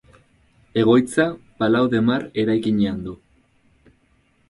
Egoitza Palau de Mar eraikinean du.